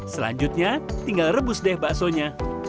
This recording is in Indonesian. selanjutnya tinggal rebus deh baksonya